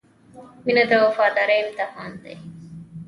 • مینه د وفادارۍ امتحان دی.